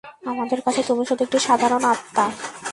আমাদের কাছে তুমি শুধু একটি সাধারণ আত্মা।